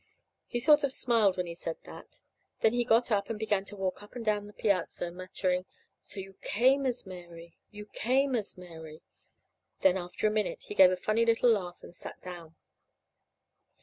He sort of smiled when he said that; then he got up and began to walk up and down the piazza, muttering: "So you came as Mary, you came as Mary." Then, after a minute, he gave a funny little laugh and sat down.